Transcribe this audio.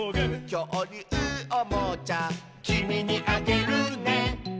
「きょうりゅうおもちゃ」「きみにあげるね」